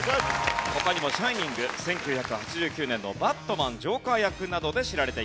他にも『シャイニング』１９８９年の『バットマン』ジョーカー役などで知られています。